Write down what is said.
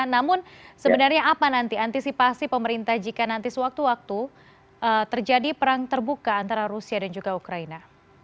namun sebenarnya apa nanti antisipasi pemerintah jika nanti sewaktu waktu terjadi perang terbuka antara rusia dan juga ukraina